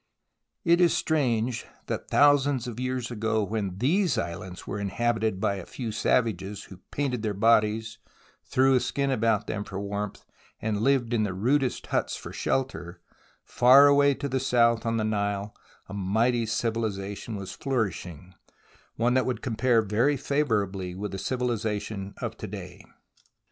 It is strange that thousands of years ago, when these islands were inhabited by a few savages who painted their bodies, threw a skin about them for warmth, and hved in the rudest of huts for shelter, far away to the south on the Nile a mighty civiUza tion was flourishing, that would compare very favourably with the civilization of to day.